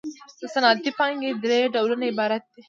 د صنعتي پانګې درې ډولونه عبارت دي